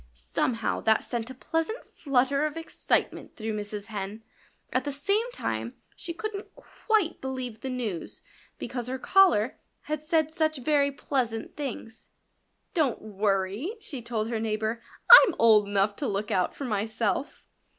Somehow that sent a pleasant flutter of excitement through Mrs. Hen. At the same time she couldn't quite believe the news, because her caller had said such very pleasant things. "Don't worry!" she told her neighbor. "I'm old enough to look out for myself."